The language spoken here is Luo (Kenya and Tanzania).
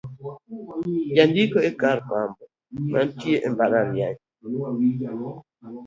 jandiko e kar jofwambo manitie e mbalariany